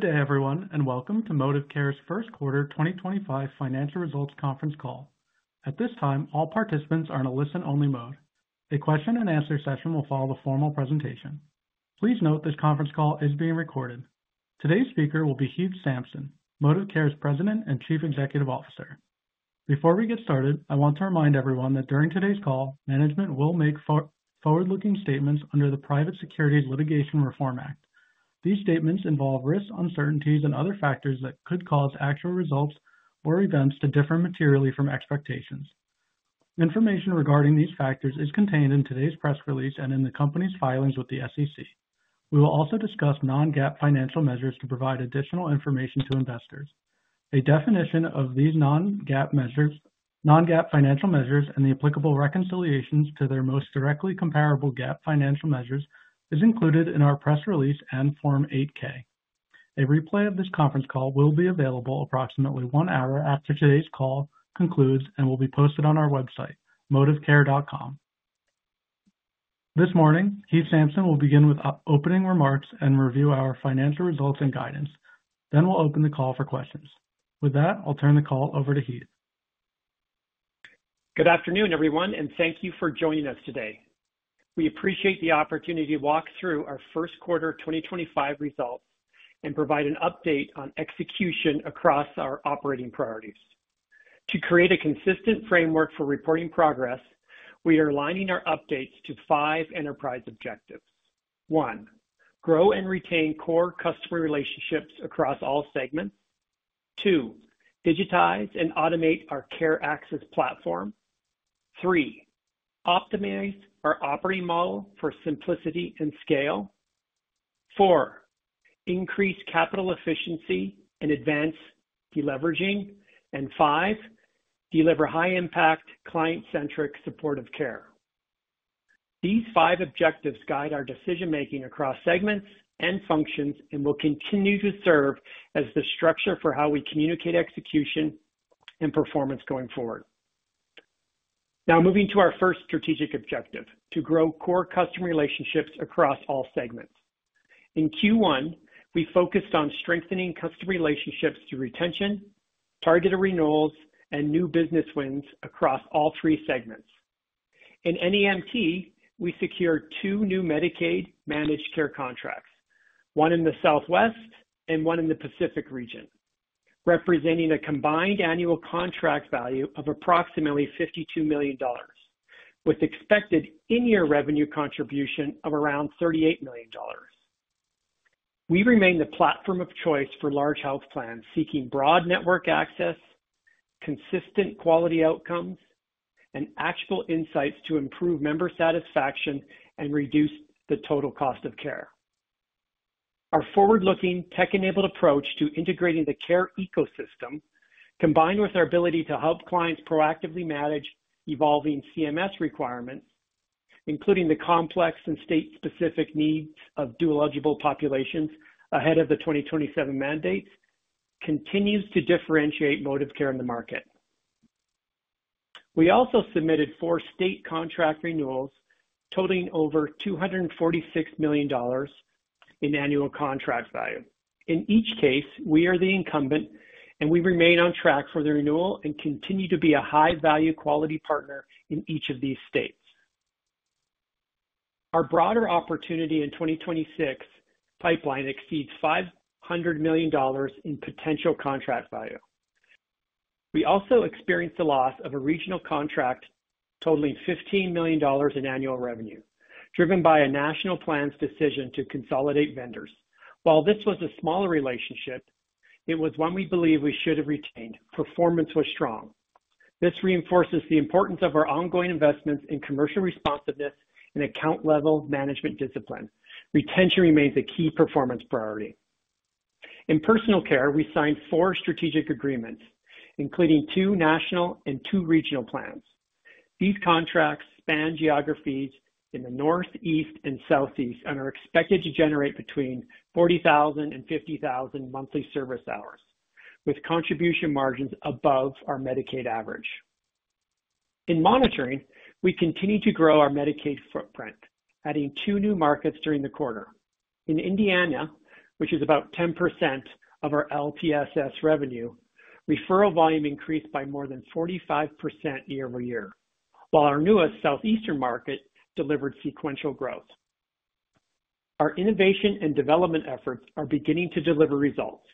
Good day, everyone, and welcome to ModivCare's First Quarter 2025 Financial Results Conference Call. At this time, all participants are in a listen-only mode. A question-and-answer session will follow the formal presentation. Please note this conference call is being recorded. Today's speaker will be Heath Sampson, ModivCare's President and Chief Executive Officer. Before we get started, I want to remind everyone that during today's call, management will make forward-looking statements under the Private Securities Litigation Reform Act. These statements involve risk, uncertainties, and other factors that could cause actual results or events to differ materially from expectations. Information regarding these factors is contained in today's press release and in the company's filings with the SEC. We will also discuss non-GAAP financial measures to provide additional information to investors. A definition of these non-GAAP financial measures and the applicable reconciliations to their most directly comparable GAAP financial measures is included in our press release and Form 8-K. A replay of this conference call will be available approximately one hour after today's call concludes and will be posted on our website, modivcare.com. This morning, Heath Sampson will begin with opening remarks and review our financial results and guidance. We will open the call for questions. With that, I will turn the call over to Heath. Good afternoon, everyone, and thank you for joining us today. We appreciate the opportunity to walk through our first quarter 2025 results and provide an update on execution across our operating priorities. To create a consistent framework for reporting progress, we are aligning our updates to five enterprise objectives. One, grow and retain core customer relationships across all segments. Two, digitize and automate our care access platform. Three, optimize our operating model for simplicity and scale. Four, increase capital efficiency and advance deleveraging. And five, deliver high-impact, client-centric supportive care. These five objectives guide our decision-making across segments and functions and will continue to serve as the structure for how we communicate execution and performance going forward. Now, moving to our first strategic objective, to grow core customer relationships across all segments. In Q1, we focused on strengthening customer relationships through retention, targeted renewals, and new business wins across all three segments. In NEMT, we secured two new Medicaid managed care contracts, one in the Southwest and one in the Pacific region, representing a combined annual contract value of approximately $52 million, with expected in-year revenue contribution of around $38 million. We remain the platform of choice for large health plans seeking broad network access, consistent quality outcomes, and actual insights to improve member satisfaction and reduce the total cost of care. Our forward-looking, tech-enabled approach to integrating the care ecosystem, combined with our ability to help clients proactively manage evolving CMS requirements, including the complex and state-specific needs of dual-eligible populations ahead of the 2027 mandates, continues to differentiate ModivCare in the market. We also submitted four state contract renewals totaling over $246 million in annual contract value. In each case, we are the incumbent, and we remain on track for the renewal and continue to be a high-value quality partner in each of these states. Our broader opportunity in 2026 pipeline exceeds $500 million in potential contract value. We also experienced the loss of a regional contract totaling $15 million in annual revenue, driven by a national plan's decision to consolidate vendors. While this was a smaller relationship, it was one we believe we should have retained. Performance was strong. This reinforces the importance of our ongoing investments in commercial responsiveness and account-level management discipline. Retention remains a key performance priority. In personal care, we signed four strategic agreements, including two national and two regional plans. These contracts span geographies in the Northeast and Southeast and are expected to generate between 40,000 and 50,000 monthly service hours, with contribution margins above our Medicaid average. In monitoring, we continue to grow our Medicaid footprint, adding two new markets during the quarter. In Indiana, which is about 10% of our LTSS revenue, referral volume increased by more than 45% year-over-year, while our newest southeastern market delivered sequential growth. Our innovation and development efforts are beginning to deliver results,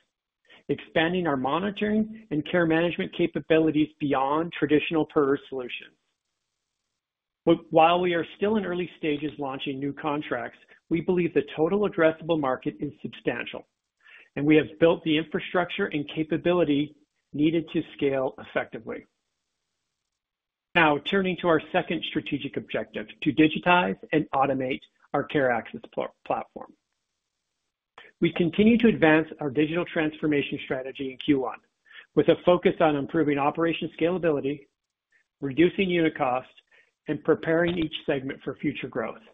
expanding our monitoring and care management capabilities beyond traditional PERS solutions. While we are still in early stages launching new contracts, we believe the total addressable market is substantial, and we have built the infrastructure and capability needed to scale effectively. Now, turning to our second strategic objective, to digitize and automate our care access platform. We continue to advance our digital transformation strategy in Q1, with a focus on improving operation scalability, reducing unit costs, and preparing each segment for future growth.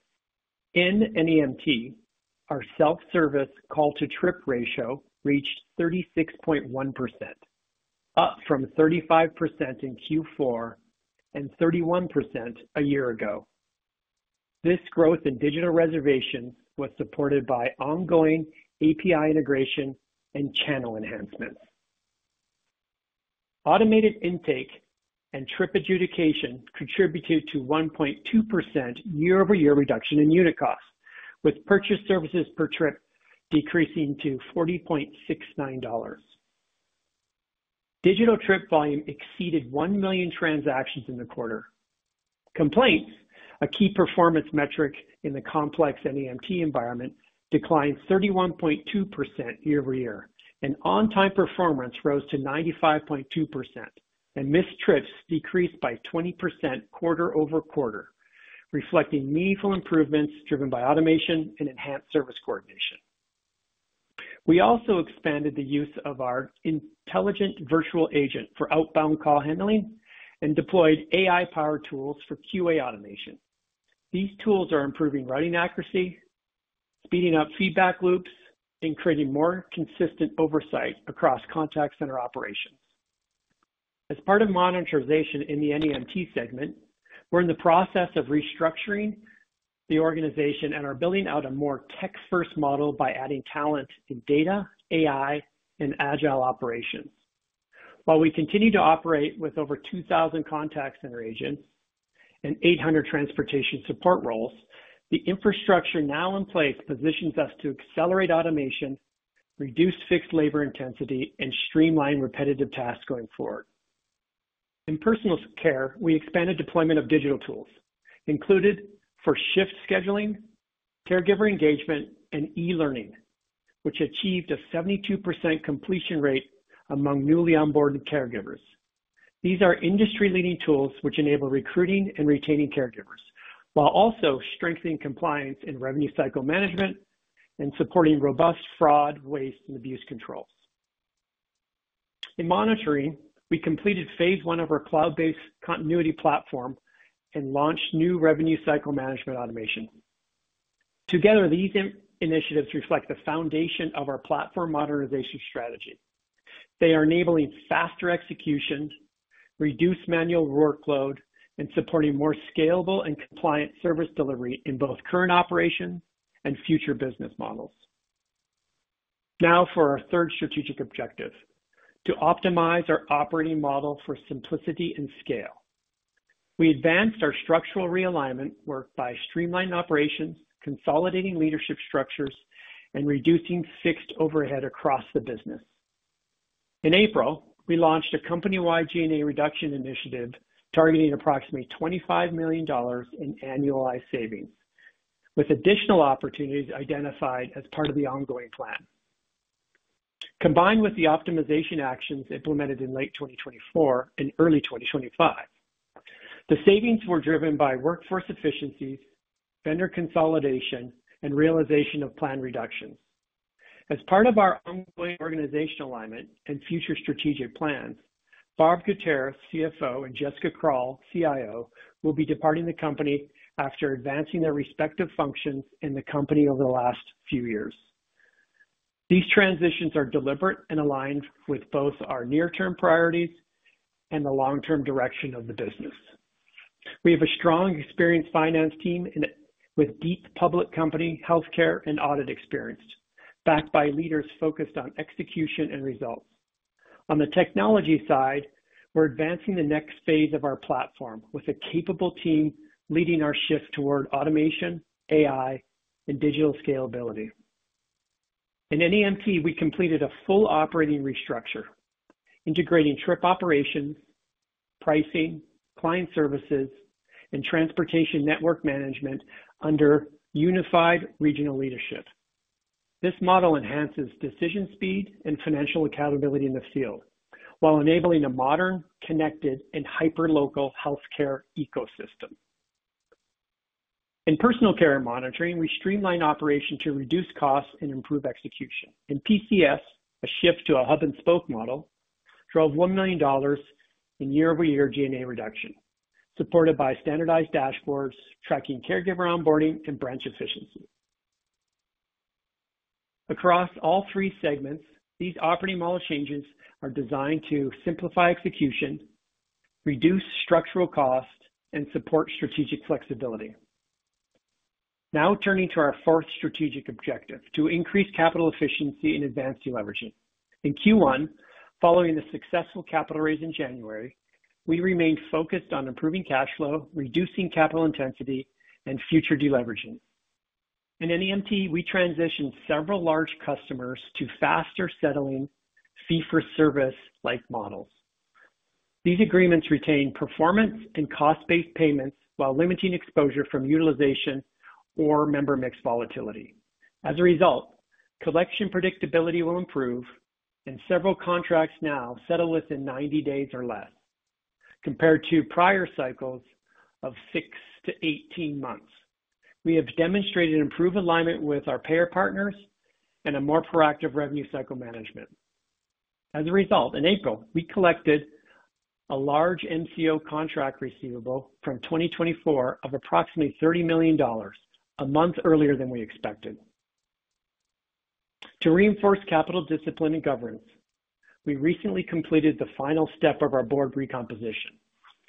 In NEMT, our self-service call-to-trip ratio reached 36.1%, up from 35% in Q4 and 31% a year ago. This growth in digital reservations was supported by ongoing API integration and channel enhancements. Automated intake and trip adjudication contributed to a 1.2% year-over-year reduction in unit costs, with purchase services per trip decreasing to $40.69. Digital trip volume exceeded 1 million transactions in the quarter. Complaints, a key performance metric in the complex NEMT environment, declined 31.2% year-over-year. On-time performance rose to 95.2%, and missed trips decreased by 20% quarter over quarter, reflecting meaningful improvements driven by automation and enhanced service coordination. We also expanded the use of our intelligent virtual agent for outbound call handling and deployed AI-powered tools for QA automation. These tools are improving writing accuracy, speeding up feedback loops, and creating more consistent oversight across contact center operations. As part of monetization in the NEMT segment, we're in the process of restructuring the organization and are building out a more tech-first model by adding talent in data, AI, and agile operations. While we continue to operate with over 2,000 contacts and agents and 800 transportation support roles, the infrastructure now in place positions us to accelerate automation, reduce fixed labor intensity, and streamline repetitive tasks going forward. In personal care, we expanded deployment of digital tools, included for shift scheduling, caregiver engagement, and e-learning, which achieved a 72% completion rate among newly onboarded caregivers. These are industry-leading tools which enable recruiting and retaining caregivers, while also strengthening compliance and revenue cycle management and supporting robust fraud, waste, and abuse controls. In monitoring, we completed phase one of our cloud-based continuity platform and launched new revenue cycle management automation. Together, these initiatives reflect the foundation of our platform modernization strategy. They are enabling faster execution, reduced manual workload, and supporting more scalable and compliant service delivery in both current operations and future business models. Now for our third strategic objective, to optimize our operating model for simplicity and scale. We advanced our structural realignment work by streamlining operations, consolidating leadership structures, and reducing fixed overhead across the business. In April, we launched a company-wide G&A reduction initiative targeting approximately $25 million in annualized savings, with additional opportunities identified as part of the ongoing plan. Combined with the optimization actions implemented in late 2024 and early 2025, the savings were driven by workforce efficiencies, vendor consolidation, and realization of plan reductions. As part of our ongoing organizational alignment and future strategic plans, Barb Gutierrez, CFO, and Jessica Krall, CIO, will be departing the company after advancing their respective functions in the company over the last few years. These transitions are deliberate and aligned with both our near-term priorities and the long-term direction of the business. We have a strong experienced finance team with deep public company, healthcare, and audit experience, backed by leaders focused on execution and results. On the technology side, we're advancing the next phase of our platform with a capable team leading our shift toward automation, AI, and digital scalability. In NEMT, we completed a full operating restructure, integrating trip operations, pricing, client services, and transportation network management under unified regional leadership. This model enhances decision speed and financial accountability in the field, while enabling a modern, connected, and hyper-local healthcare ecosystem. In personal care and monitoring, we streamlined operations to reduce costs and improve execution. In PCS, a shift to a hub-and-spoke model drove $1 million in year-over-year G&A reduction, supported by standardized dashboards tracking caregiver onboarding and branch efficiency. Across all three segments, these operating model changes are designed to simplify execution, reduce structural costs, and support strategic flexibility. Now turning to our fourth strategic objective, to increase capital efficiency and advance deleveraging. In Q1, following the successful capital raise in January, we remained focused on improving cash flow, reducing capital intensity, and future deleveraging. In NEMT, we transitioned several large customers to faster settling fee-for-service-like models. These agreements retain performance and cost-based payments while limiting exposure from utilization or member mix volatility. As a result, collection predictability will improve, and several contracts now settle within 90 days or less, compared to prior cycles of 6 months to 18 months. We have demonstrated improved alignment with our payer partners and a more proactive revenue cycle management. As a result, in April, we collected a large MCO contract receivable from 2024 of approximately $30 million, a month earlier than we expected. To reinforce capital discipline and governance, we recently completed the final step of our board recomposition.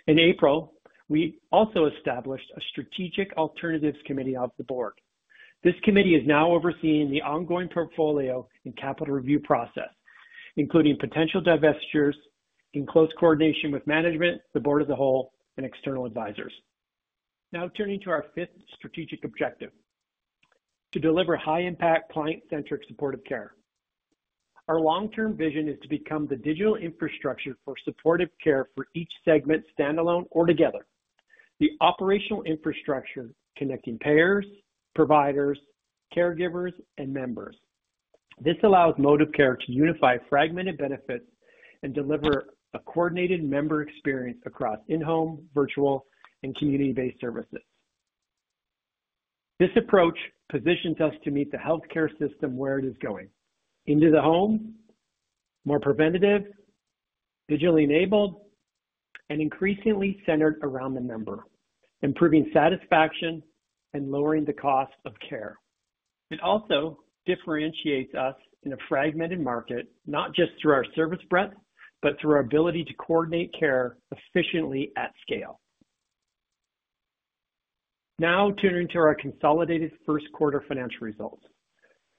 In April, we also established a strategic alternatives committee of the board. This committee is now overseeing the ongoing portfolio and capital review process, including potential divestitures in close coordination with management, the board as a whole, and external advisors. Now turning to our fifth strategic objective, to deliver high-impact client-centric supportive care. Our long-term vision is to become the digital infrastructure for supportive care for each segment, standalone or together, the operational infrastructure connecting payers, providers, caregivers, and members. This allows ModivCare to unify fragmented benefits and deliver a coordinated member experience across in-home, virtual, and community-based services. This approach positions us to meet the healthcare system where it is going, into the home, more preventative, digitally enabled, and increasingly centered around the member, improving satisfaction and lowering the cost of care. It also differentiates us in a fragmented market, not just through our service breadth, but through our ability to coordinate care efficiently at scale. Now turning to our consolidated first quarter financial results.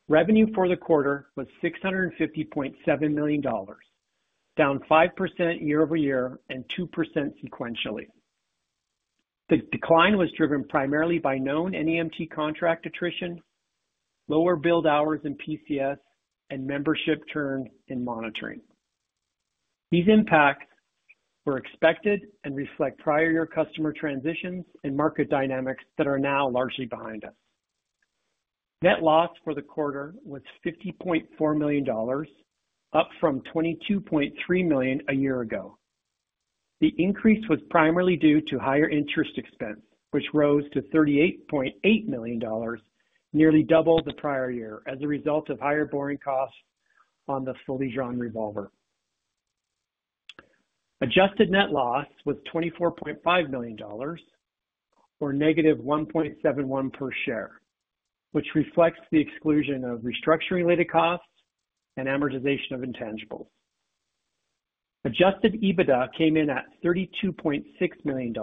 Revenue for the quarter was $650.7 million, down 5% year-over-year and 2% sequentially. The decline was driven primarily by known NEMT contract attrition, lower billed hours in PCS, and membership churn in monitoring. These impacts were expected and reflect prior-year customer transitions and market dynamics that are now largely behind us. Net loss for the quarter was $50.4 million, up from $22.3 million a year ago. The increase was primarily due to higher interest expense, which rose to $38.8 million, nearly double the prior year as a result of higher borrowing costs on the fully drawn revolver. Adjusted net loss was $24.5 million, or negative $1.71 per share, which reflects the exclusion of restructuring-related costs and amortization of intangibles. Adjusted EBITDA came in at $32.6 million,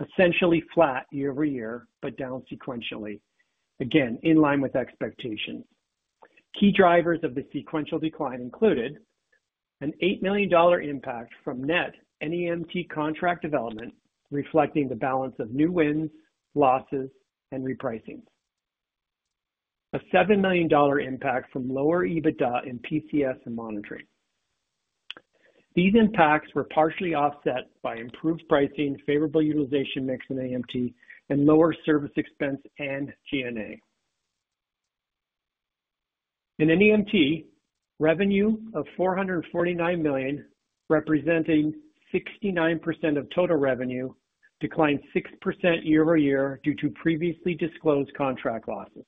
essentially flat year-over-year, but down sequentially, again in line with expectations. Key drivers of the sequential decline included an $8 million impact from net NEMT contract development, reflecting the balance of new wins, losses, and repricings, a $7 million impact from lower EBITDA in PCS and monitoring. These impacts were partially offset by improved pricing, favorable utilization mix in NEMT, and lower service expense and G&A. In NEMT, revenue of $449 million, representing 69% of total revenue, declined 6% year-over-year due to previously disclosed contract losses.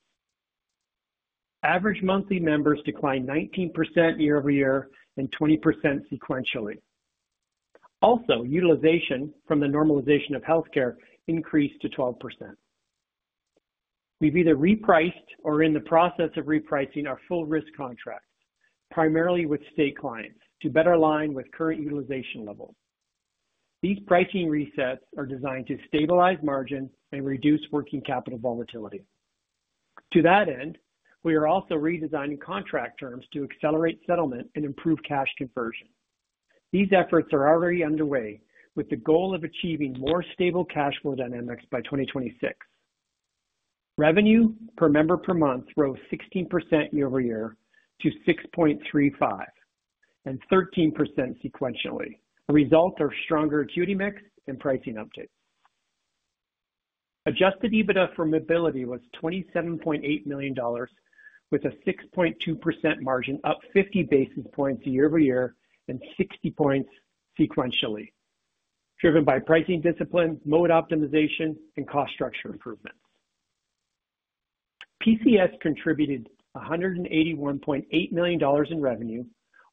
Average monthly members declined 19% year-over-year and 20% sequentially. Also, utilization from the normalization of healthcare increased to 12%. We've either repriced or are in the process of repricing our full-risk contracts, primarily with state clients, to better align with current utilization levels. These pricing resets are designed to stabilize margins and reduce working capital volatility. To that end, we are also redesigning contract terms to accelerate settlement and improve cash conversion. These efforts are already underway with the goal of achieving more stable cash flow dynamics by 2026. Revenue per member per month rose 16% year-over-year to $6.35 and 13% sequentially, a result of stronger acuity mix and pricing updates. Adjusted EBITDA for mobility was $27.8 million, with a 6.2% margin, up 50 basis points year-over-year and 60 basis points sequentially, driven by pricing disciplines, mode optimization, and cost structure improvements. PCS contributed $181.8 million in revenue,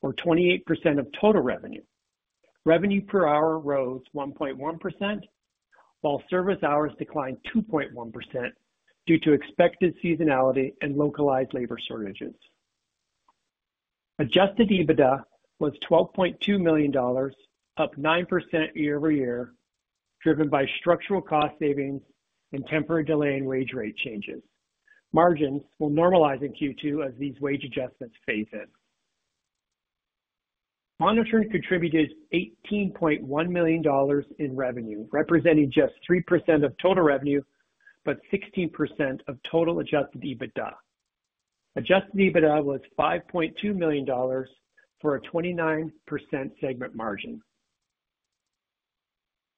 or 28% of total revenue. Revenue per hour rose 1.1%, while service hours declined 2.1% due to expected seasonality and localized labor shortages. Adjusted EBITDA was $12.2 million, up 9% year-over-year, driven by structural cost savings and temporary delay in wage rate changes. Margins will normalize in Q2 as these wage adjustments phase in. Monitoring contributed $18.1 million in revenue, representing just 3% of total revenue, but 16% of total adjusted EBITDA. Adjusted EBITDA was $5.2 million for a 29% segment margin.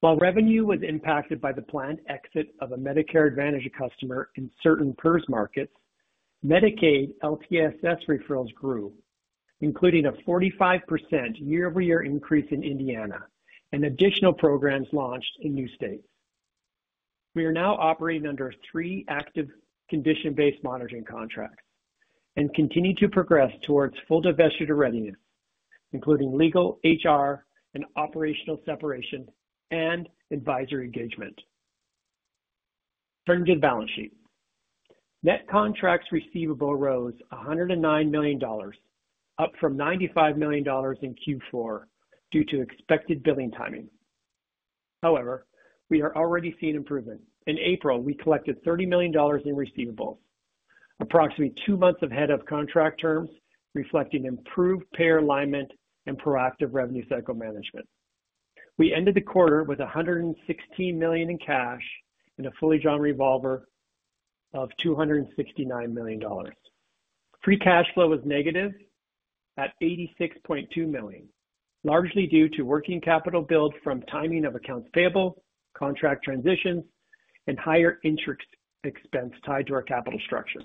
While revenue was impacted by the planned exit of a Medicare Advantage customer in certain PERS markets, Medicaid LTSS referrals grew, including a 45% year-over-year increase in Indiana and additional programs launched in new states. We are now operating under three active condition-based monitoring contracts and continue to progress towards full divestiture readiness, including legal, HR, and operational separation and advisory engagement. Turning to the balance sheet, net contracts receivable rose $109 million, up from $95 million in Q4 due to expected billing timing. However, we are already seeing improvement. In April, we collected $30 million in receivables, approximately two months ahead of contract terms, reflecting improved payer alignment and proactive revenue cycle management. We ended the quarter with $116 million in cash and a fully drawn revolver of $269 million. Free cash flow was negative at $86.2 million, largely due to working capital build from timing of accounts payable, contract transitions, and higher interest expense tied to our capital structure.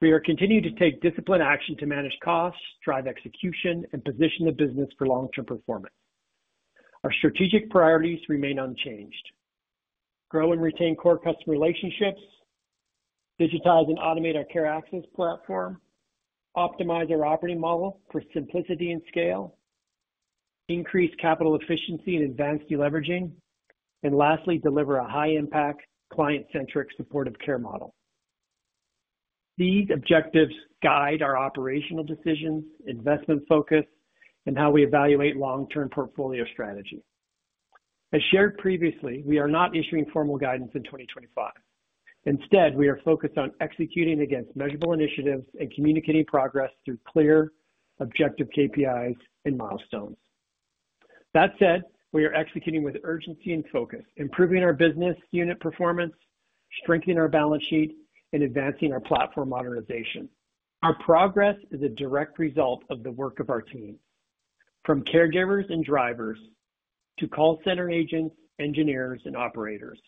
We are continuing to take disciplined action to manage costs, drive execution, and position the business for long-term performance. Our strategic priorities remain unchanged. Grow and retain core customer relationships, digitize and automate our care access platform, optimize our operating model for simplicity and scale, increase capital efficiency and advance deleveraging, and lastly, deliver a high-impact, client-centric supportive care model. These objectives guide our operational decisions, investment focus, and how we evaluate long-term portfolio strategy. As shared previously, we are not issuing formal guidance in 2025. Instead, we are focused on executing against measurable initiatives and communicating progress through clear, objective KPIs and milestones. That said, we are executing with urgency and focus, improving our business unit performance, strengthening our balance sheet, and advancing our platform modernization. Our progress is a direct result of the work of our team, from caregivers and drivers to call center agents, engineers, and operators.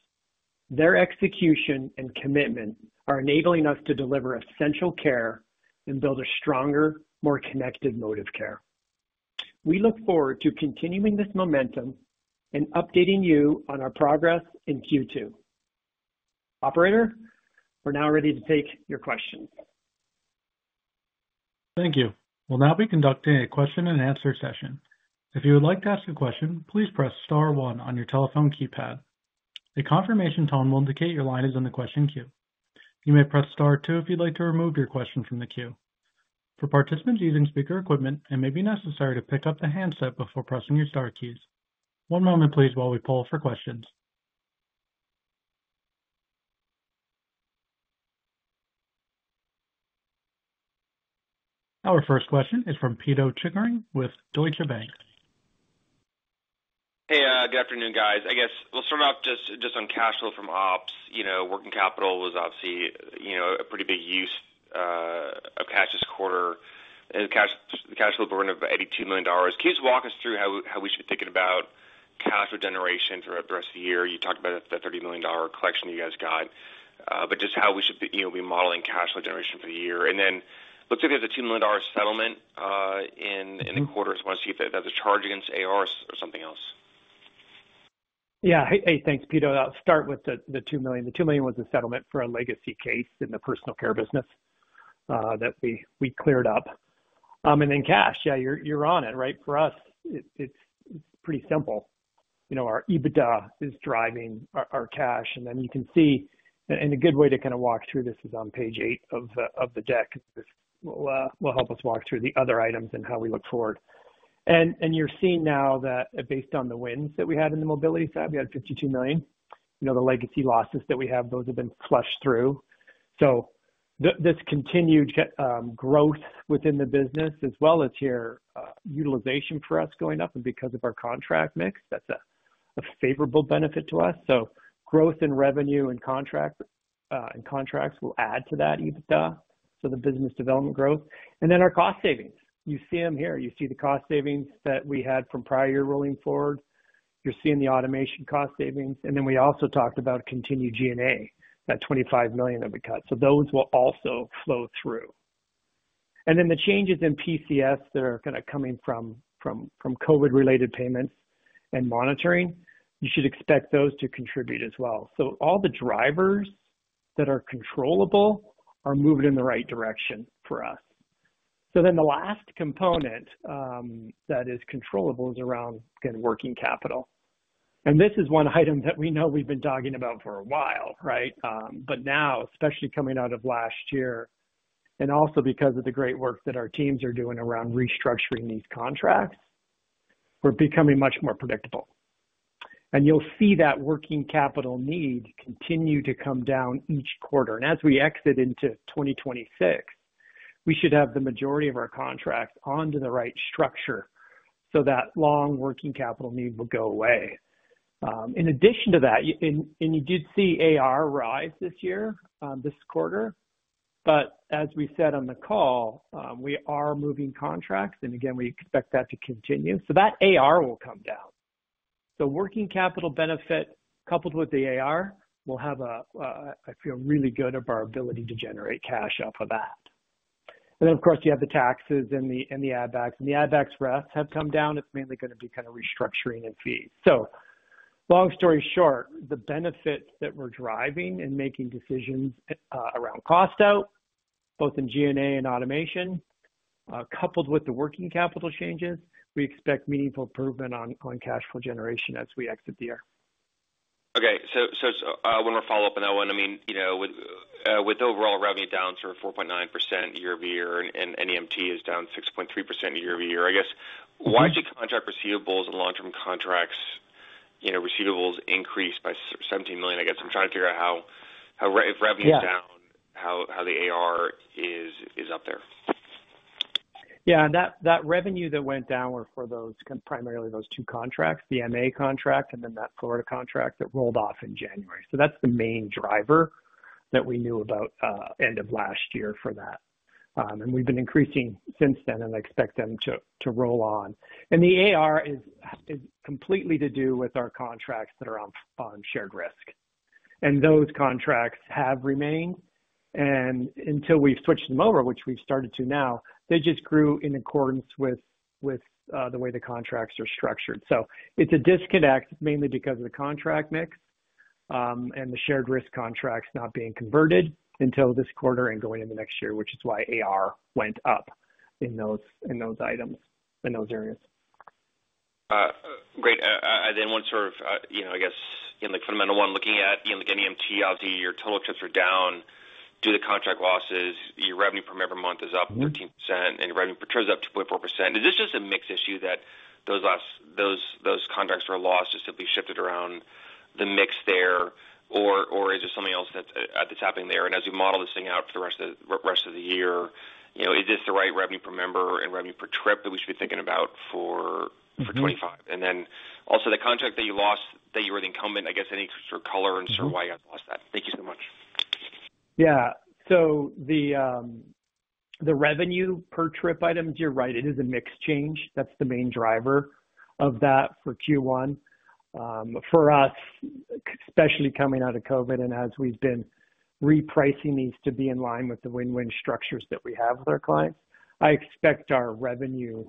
Their execution and commitment are enabling us to deliver essential care and build a stronger, more connected mode of care. We look forward to continuing this momentum and updating you on our progress in Q2. Operator, we're now ready to take your questions. Thank you. We'll now be conducting a question-and-answer session. If you would like to ask a question, please press star one on your telephone keypad. A confirmation tone will indicate your line is in the question queue. You may press star two if you'd like to remove your question from the queue. For participants using speaker equipment, it may be necessary to pick up the handset before pressing your star keys. One moment, please, while we pull for questions. Our first question is from Peter Chickering with Deutsche Bank. Hey, good afternoon, guys. I guess we'll start off just on cash flow from ops. Working capital was obviously a pretty big use of cash this quarter. The cash flow burn of $82 million. Can you just walk us through how we should be thinking about cash flow generation throughout the rest of the year? You talked about the $30 million collection you guys got, but just how we should be modeling cash flow generation for the year. And then it looks like there's a $2 million settlement in the quarter. I just want to see if that's a charge against AR or something else. Yeah. Hey, thanks, Peter. I'll start with the $2 million. The $2 million was a settlement for a legacy case in the personal care business that we cleared up. And then cash, yeah, you're on it, right? For us, it's pretty simple. Our EBITDA is driving our cash. Then you can see, and a good way to kind of walk through this is on page eight of the deck. This will help us walk through the other items and how we look forward. You're seeing now that based on the wins that we had in the mobility side, we had $52 million. The legacy losses that we have, those have been flushed through. This continued growth within the business, as well as here utilization for us going up, and because of our contract mix, that's a favorable benefit to us. Growth in revenue and contracts will add to that EBITDA, so the business development growth. And then our cost savings. You see them here. You see the cost savings that we had from prior year rolling forward. You're seeing the automation cost savings. And then we also talked about continued G&A, that $25 million that we cut. So those will also flow through. And then the changes in PCS that are kind of coming from COVID-related payments and monitoring, you should expect those to contribute as well. All the drivers that are controllable are moving in the right direction for us. The last component that is controllable is around, again, working capital. This is one item that we know we've been talking about for a while, right? Especially coming out of last year, and also because of the great work that our teams are doing around restructuring these contracts, we are becoming much more predictable. You will see that working capital need continue to come down each quarter. As we exit into 2026, we should have the majority of our contracts onto the right structure so that long working capital need will go away. In addition to that, you did see AR rise this year, this quarter, but as we said on the call, we are moving contracts. Again, we expect that to continue, so that AR will come down. Working capital benefit coupled with the AR will have a, I feel, really good of our ability to generate cash off of that. Of course, you have the taxes and the add-backs. The add-backs rest have come down. It's mainly going to be kind of restructuring and fees. Long story short, the benefits that we're driving and making decisions around cost out, both in G&A and automation, coupled with the working capital changes, we expect meaningful improvement on cash flow generation as we exit the year. Okay. One more follow-up on that one. I mean, with overall revenue down to 4.9% year-over-year and NEMT is down 6.3% year-over-year, I guess, why do contract receivables and long-term contract receivables increase by $17 million? I guess I'm trying to figure out how, if revenue is down, how the AR is up there. Yeah. That revenue that went down were for primarily those two contracts, the MA contract and then that Florida contract that rolled off in January. That's the main driver that we knew about end of last year for that. We have been increasing since then and expect them to roll on. The AR is completely to do with our contracts that are on shared risk. Those contracts have remained, and until we have switched them over, which we have started to now, they just grew in accordance with the way the contracts are structured. It is a disconnect mainly because of the contract mix and the shared risk contracts not being converted until this quarter and going into next year, which is why AR went up in those items and those areas. Great. One sort of, I guess, fundamental one, looking at NEMT, obviously, your total expenses are down due to contract losses. Your revenue per member month is up 13%, and your revenue per term is up 2.4%. Is this just a mix issue that those contracts were lost or simply shifted around the mix there, or is there something else that's happening there? As we model this thing out for the rest of the year, is this the right revenue per member and revenue per trip that we should be thinking about for 2025? Also, the contract that you lost that you were the incumbent, I guess, any sort of color and sort of why you guys lost that? Thank you so much. Yeah. The revenue per trip items, you're right, it is a mix change. That's the main driver of that for Q1. For us, especially coming out of COVID and as we've been repricing these to be in line with the win-win structures that we have with our clients, I expect our revenue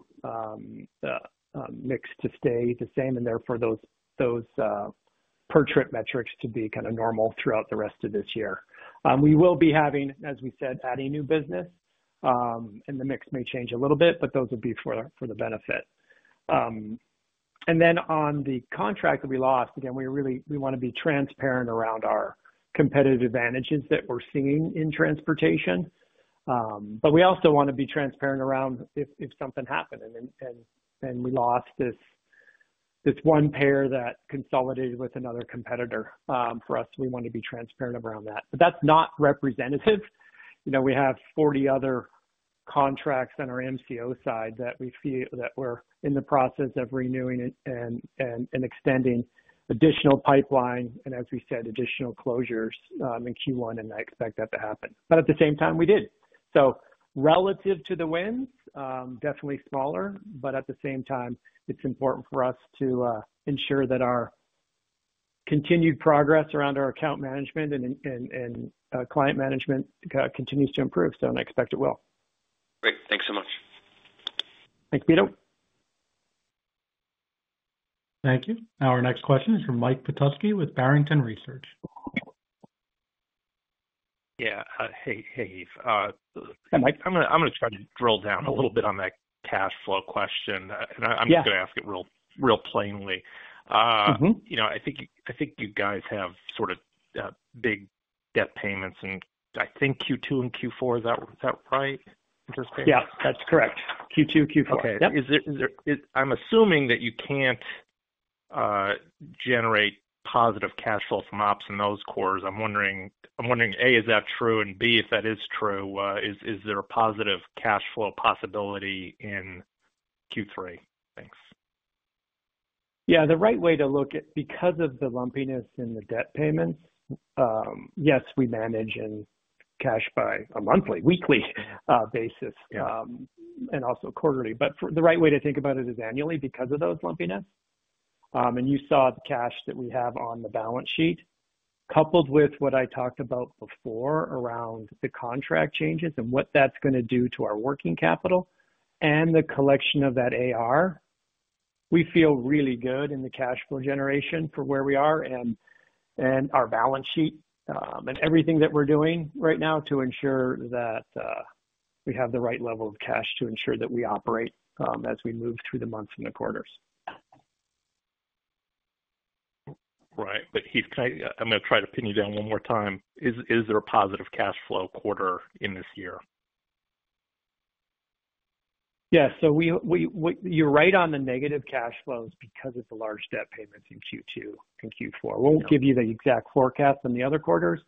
mix to stay the same and therefore those per trip metrics to be kind of normal throughout the rest of this year. We will be having, as we said, adding new business, and the mix may change a little bit, but those will be for the benefit. On the contract that we lost, again, we want to be transparent around our competitive advantages that we're seeing in transportation. We also want to be transparent around if something happened and we lost this one payer that consolidated with another competitor. For us, we want to be transparent around that. That's not representative. We have 40 other contracts on our MCO side that we feel that we're in the process of renewing and extending additional pipeline and, as we said, additional closures in Q1, and I expect that to happen. At the same time, we did. Relative to the wins, definitely smaller, but at the same time, it's important for us to ensure that our continued progress around our account management and client management continues to improve. I expect it will. Great. Thanks so much. Thanks, Peter. Thank you. Our next question is from Mike Petusky with Barrington Research. Yeah. Hey, Heath. Yeah, Mike, I'm going to try to drill down a little bit on that cash flow question. I'm just going to ask it real plainly. I think you guys have sort of big debt payments, and I think Q2 and Q4, is that right? Yeah, that's correct. Q2, Q4. Okay. I'm assuming that you can't generate positive cash flow from ops in those quarters. I'm wondering, A, is that true? And B, if that is true, is there a positive cash flow possibility in Q3? Thanks. Yeah. The right way to look at, because of the lumpiness in the debt payments, yes, we manage and cash by a monthly, weekly basis, and also quarterly. The right way to think about it is annually because of those lumpiness. You saw the cash that we have on the balance sheet, coupled with what I talked about before around the contract changes and what that is going to do to our working capital and the collection of that AR, we feel really good in the cash flow generation for where we are and our balance sheet and everything that we are doing right now to ensure that we have the right level of cash to ensure that we operate as we move through the months and the quarters. Right. Heath, I am going to try to pin you down one more time. Is there a positive cash flow quarter in this year? Yeah. You are right on the negative cash flows because of the large debt payments in Q2 and Q4. I will not give you the exact forecast on the other quarters.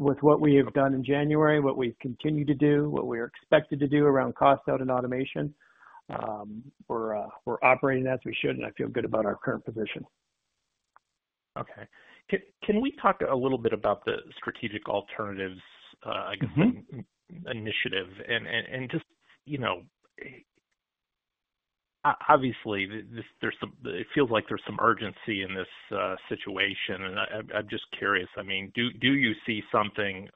With what we have done in January, what we've continued to do, what we are expected to do around cost out and automation, we're operating as we should, and I feel good about our current position. Okay. Can we talk a little bit about the strategic alternatives, I guess, initiative? Obviously, it feels like there's some urgency in this situation. I'm just curious, I mean, do you see something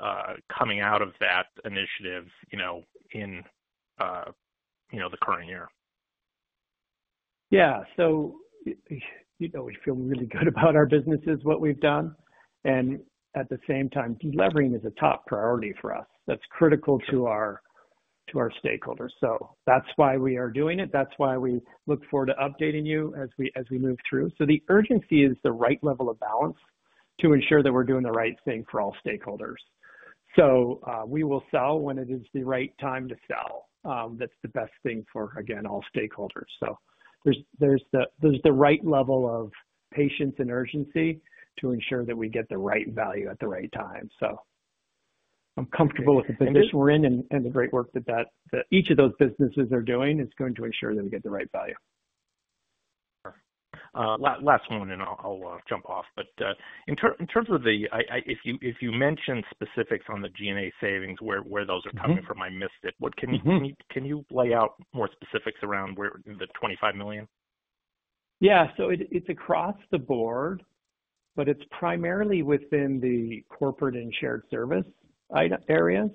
coming out of that initiative in the current year? Yeah. We feel really good about our businesses, what we've done. At the same time, delivering is a top priority for us. That's critical to our stakeholders. That's why we are doing it. That's why we look forward to updating you as we move through. The urgency is the right level of balance to ensure that we're doing the right thing for all stakeholders. We will sell when it is the right time to sell. That's the best thing for, again, all stakeholders. There's the right level of patience and urgency to ensure that we get the right value at the right time. I'm comfortable with the position we're in, and the great work that each of those businesses are doing is going to ensure that we get the right value. Sure. Last one, and I'll jump off. In terms of the, if you mentioned specifics on the G&A savings, where those are coming from, I missed it. Can you lay out more specifics around the $25 million? Yeah. It's across the board, but it's primarily within the corporate and shared service areas.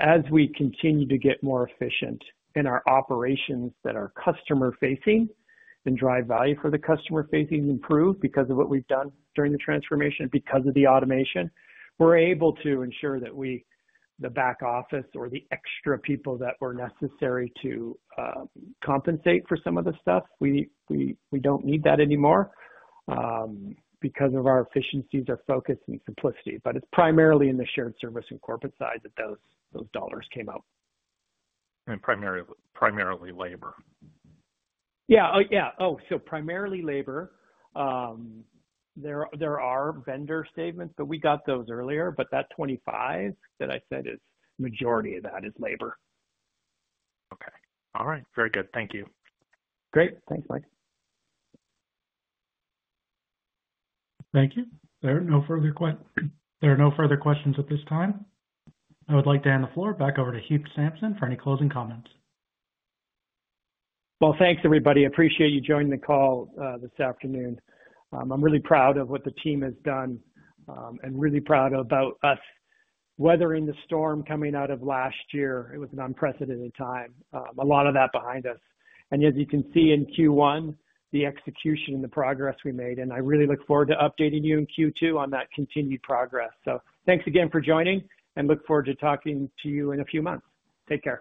As we continue to get more efficient in our operations that are customer-facing and drive value for the customer-facing improved because of what we've done during the transformation, because of the automation, we're able to ensure that the back office or the extra people that were necessary to compensate for some of the stuff, we don't need that anymore because of our efficiencies, our focus, and simplicity. It's primarily in the shared service and corporate side that those dollars came out. Primarily labor. Yeah. Oh, so primarily labor. There are vendor statements, but we got those earlier. That $25 million that I said, the majority of that is labor. Okay. All right. Very good. Thank you. Great. Thanks, Mike. Thank you. There are no further questions at this time. I would like to hand the floor back over to Heath Sampson for any closing comments. Thanks, everybody. Appreciate you joining the call this afternoon. I'm really proud of what the team has done and really proud about us weathering the storm coming out of last year. It was an unprecedented time. A lot of that behind us. As you can see in Q1, the execution and the progress we made. I really look forward to updating you in Q2 on that continued progress. Thanks again for joining, and look forward to talking to you in a few months. Take care.